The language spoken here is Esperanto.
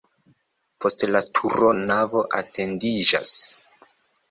Post la turo navo etendiĝas.